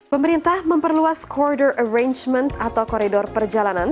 pemerintah memperluas koridor arrangement atau koridor perjalanan